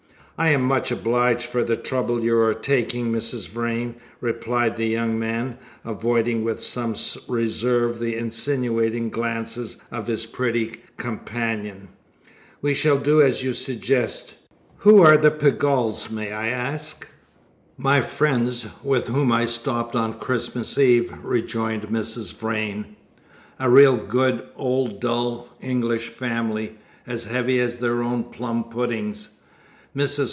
"I am much obliged for the trouble you are taking, Mrs. Vrain," replied the young man, avoiding with some reserve the insinuating glances of his pretty companion. "We shall do as you suggest. Who are the Pegalls, may I ask?" "My friends, with whom I stopped on Christmas Eve," rejoined Mrs. Vrain. "A real good, old, dull English family, as heavy as their own plum puddings. Mrs.